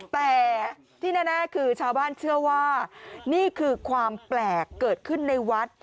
แต่ที่แน่คือชาวบ้านเชื่อว่านี่คือความแปลกเกิดขึ้นในวัด